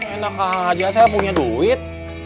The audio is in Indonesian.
enak aja saya punya duit